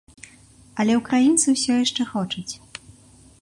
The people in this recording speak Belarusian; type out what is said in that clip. Але ўкраінцы ўсё яшчэ хочуць.